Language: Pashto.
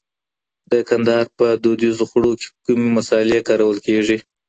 د کندهار په دودیزو خوړو کي کوم مسالې کارول کيږي؟